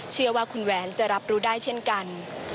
เชื่อว่าคุณแหวนจะรับรู้ได้เช่นกัน